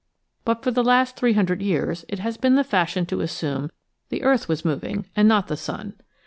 But for the last three hundred years it has been the fashion to assume the earth was moving and not the sun.